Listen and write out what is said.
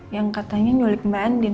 yang katanya nyulik mbak andil